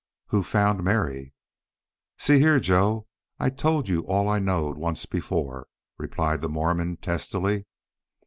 "Who found Mary?" "See here, Joe, I told you all I knowed once before," replied the Mormon, testily.